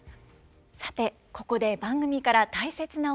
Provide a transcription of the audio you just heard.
さてここで番組から大切なお知らせです。